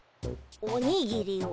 おにぎりを。